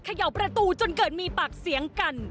เขย่าประตูจนเกิดมีปากเสียงกัน